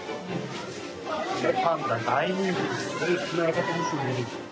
パンダ、大人気です。